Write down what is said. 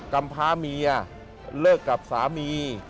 ำพาเมียเลิกกับสามี